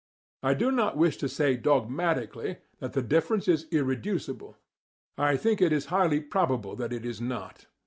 I do not wish to say dogmatically that the difference is irreducible; I think it highly probable that it is not.